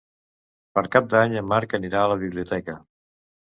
Per Cap d'Any en Marc anirà a la biblioteca.